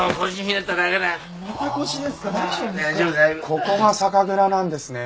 ここが酒蔵なんですね。